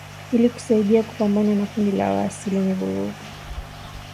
Ili kusaidia kupambana na kundi la waasi lenye vurugu